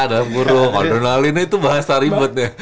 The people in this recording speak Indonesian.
dalam guru adrenalinnya itu bahasa ribet ya